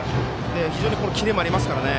非常にキレもありますから。